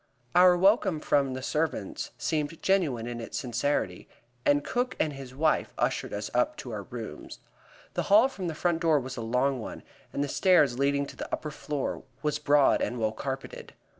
Our welcome from the servants seemed genuine in its sincerity, and Cook and his wife ushered us up to our rooms. The hall from the front door was a long one, and the stairs leading to the upper floor was broad and well carpeted.